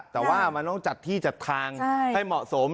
แต่ว่ามันต้องจัดที่จัดทางให้เหมาะสม